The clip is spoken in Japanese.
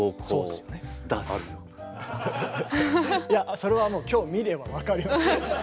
いやそれはもう今日見れば分かります。